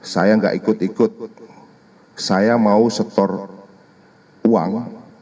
saya nggak ikut ikut saya mau setor uang